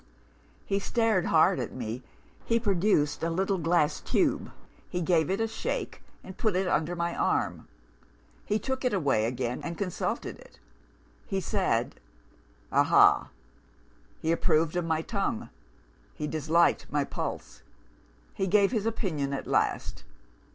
He stared hard at me; he produced a little glass tube; he gave it a shake, and put it under my arm; he took it away again, and consulted it; he said, 'Aha!' he approved of my tongue; he disliked my pulse; he gave his opinion at last.